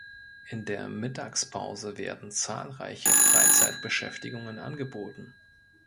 In der Mittagspause werden zahlreiche Freizeitbeschäftigungen angeboten.